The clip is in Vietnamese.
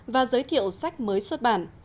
và giới thiệu sách mới xuất bản